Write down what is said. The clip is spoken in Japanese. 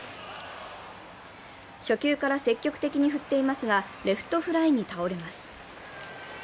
初球から積極的に振っていますが、レフトフライに倒れます。